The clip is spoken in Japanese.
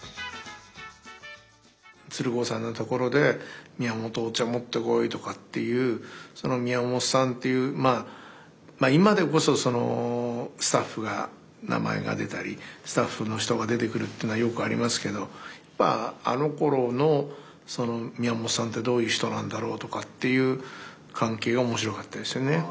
鶴光さんのところで「宮本お茶持ってこい」とかっていうその宮本さんっていうまあ今でこそスタッフが名前が出たりスタッフの人が出てくるっていうのはよくありますけどあのころのその宮本さんってどういう人なんだろうとかっていう関係が面白かったですよね。